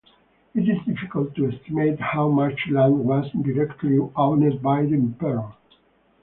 It is difficult to estimate how much land was directly owned by the emperor.